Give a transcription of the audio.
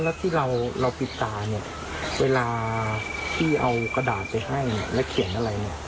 แล้วที่เราปิดตาเนี่ยเวลาที่เอากระดาษไปให้เนี่ยแล้วเขียนอะไรเนี่ย